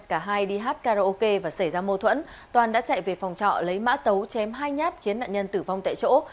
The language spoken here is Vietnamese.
cả hai đi hát karaoke và xảy ra mâu thuẫn toàn đã chạy về phòng trọ lấy mã tấu chém hai nhát khiến nạn nhân tử vong tại chỗ